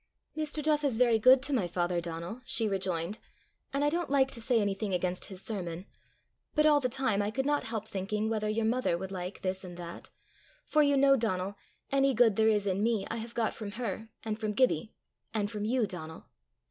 "Mr. Duff is very good to my father, Donal," she rejoined, "and I don't like to say anything against his sermon; but all the time I could not help thinking whether your mother would like this and that; for you know, Donal, any good there is in me I have got from her, and from Gibbie and from you, Donal."